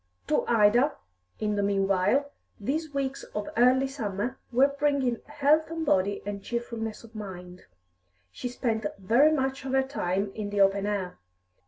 To Ida, in the meanwhile, these weeks of early summer were bringing health of body and cheerfulness of mind. She spent very much of her time in the open air.